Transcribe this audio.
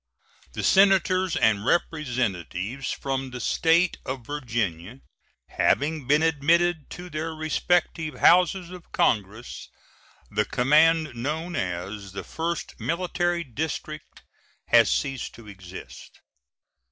The Senators and Representatives from the State of Virginia having been admitted to their respective Houses of Congress, the command known as the First Military District has ceased to exist.